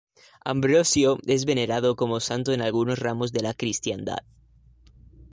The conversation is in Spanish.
Ambrosio es venerado como santo en algunos ramos de la cristiandad.